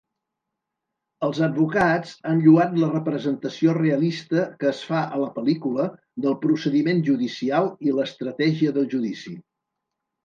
Els advocats han lloat la representació realista que es fa a la pel·lícula del procediment judicial i l'estratègia del judici.